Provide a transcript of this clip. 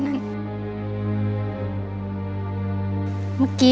สวัสดีครับ